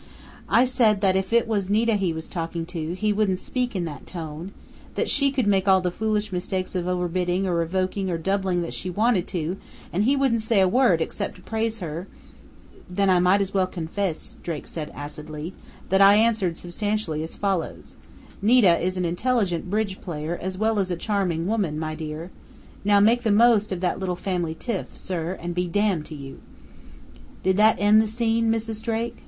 "I said that if it was Nita he was talking to, he wouldn't speak in that tone; that she could make all the foolish mistakes of over bidding or revoking or doubling that she wanted to, and he wouldn't say a word except to praise her " "Then I may as well confess," Drake said acidly, "that I answered substantially as follows: 'Nita is an intelligent bridge player as well as a charming woman, my dear!...' Now make the most of that little family tiff, sir and be damned to you!" "Did that end the scene, Mrs. Drake?"